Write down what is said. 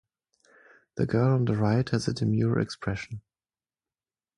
The girl on the right has a demure expression.